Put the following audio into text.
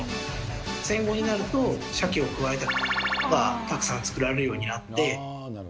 戦後になると、シャケをくわえた×××がたくさん作られるようになって。